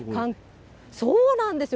そうなんですよ。